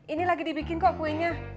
ini lagi dibikin kok kuenya